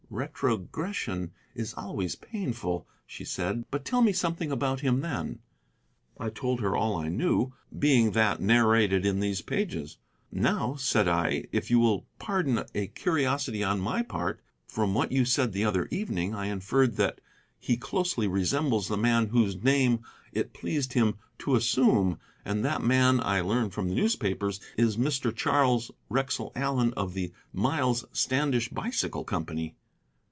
"Retrogression is always painful," she said; "but tell me something about him then." I told her all I knew, being that narrated in these pages. "Now," said I, "if you will pardon a curiosity on my part, from what you said the other evening I inferred that he closely resembles the man whose name it pleased him to assume. And that man, I learn from the newspapers, is Mr. Charles Wrexell Allen of the 'Miles Standish Bicycle Company.'"